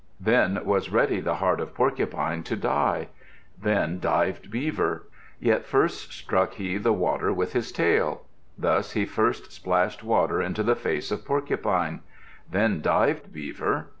Then was ready the heart of Porcupine to die. Then dived Beaver. Yet first struck he the water with his tail. Thus he first splashed water into the face of Porcupine. Then dived Beaver.